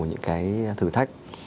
những cái thử thách